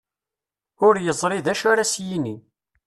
Ur yeẓri d acu ara as-yini.